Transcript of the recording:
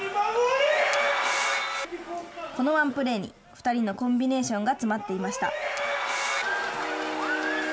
このワンプレーに２人のコンビネーションが詰まっていました。